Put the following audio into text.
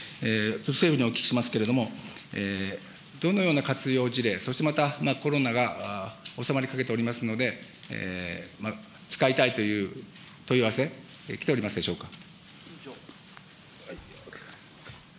政府にお聞きしますけれども、どのような活用事例、そしてまたコロナが収まりかけておりますので、使いたいという問い合わせ、来ておりますでしょうか。